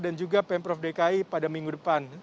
dan juga pemprov dki pada minggu depan